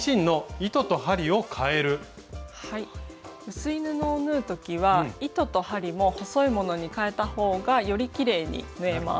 薄い布を縫う時は糸と針も細いものにかえた方がよりきれいに縫えます。